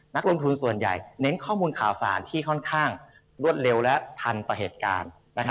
นักลงทุนส่วนใหญ่เน้นข้อมูลข่าวสารที่ค่อนข้างรวดเร็วและทันต่อเหตุการณ์